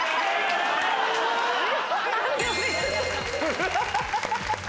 ハハハハ。